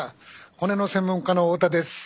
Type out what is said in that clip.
骨の専門家の太田です。